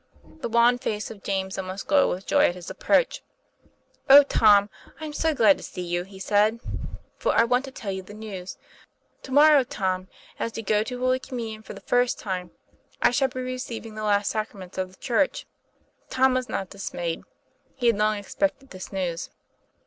The wan face of James almost glowed with joy at his approach. "Oh, Tom, I'm so glad to see you," he said, "for I want to tell you the news. To morrow, Tom, as you go to Holy Communion for the first time, I shall be receiving the last sacraments of the Church. " Tom was not dismayed; he had long expected this news.